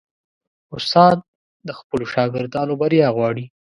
استاد د خپلو شاګردانو بریا غواړي.